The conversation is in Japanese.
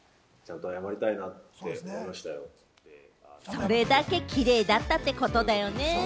それだけキレイだったってことだよね。